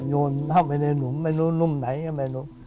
โยนเข้าไปในหลุมไม่รู้หลุมไหน